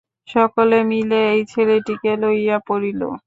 সকলে মিলিয়া এই ছেলেটিকে লইয়া পড়িল।